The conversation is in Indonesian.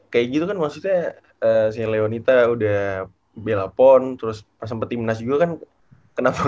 kayak gitu kan maksudnya si leonita udah belakon terus pas sempet timnas juga kan kenapa